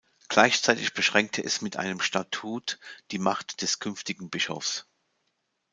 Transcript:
Gleichzeitig beschränkte es mit einem Statut die Macht des künftigen Bischofs.